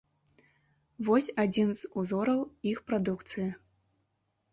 Вось адзін з узораў іх прадукцыі.